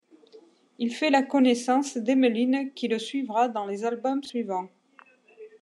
Il fait la connaissance d'Émeline qui le suivra dans les albums suivants.